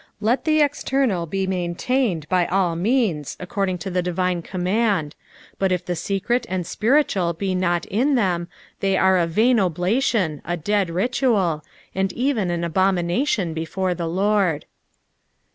Let the external be maintained by all means according to the divine command, but if the secret and spiritual be not in them, they are a vain oblation, a dead ritual, and even an abomination before the Lord.